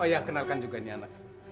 oh iya kenalkan juga nih anak